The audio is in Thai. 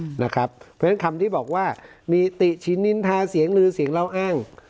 เพราะฉะนั้นคำที่บอกว่ามีติชินนินทาเสียงลือเสียงเล่าอ้าง